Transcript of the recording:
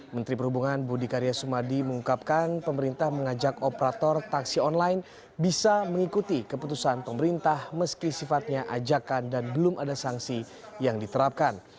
menteri perhubungan budi karya sumadi mengungkapkan pemerintah mengajak operator taksi online bisa mengikuti keputusan pemerintah meski sifatnya ajakan dan belum ada sanksi yang diterapkan